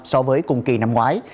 so với cùng kỳ năm ngoái